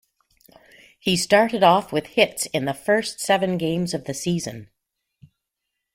He started off with hits in the first seven games of the season.